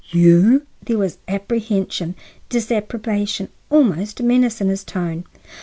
"You?" There was apprehension, disapprobation, almost menace in his tone.